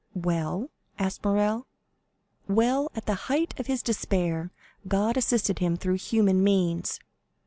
"Well?" asked Morrel. "Well, at the height of his despair God assisted him through human means.